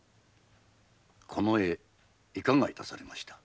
この絵いかが致されました？